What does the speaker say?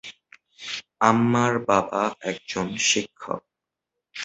আম্মার বাবা একজন শিক্ষক।